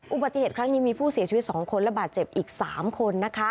อุบัติเหตุครั้งนี้มีผู้เสียชีวิต๒คนและบาดเจ็บอีก๓คนนะคะ